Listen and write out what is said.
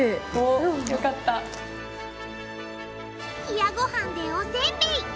冷やごはんでおせんべい！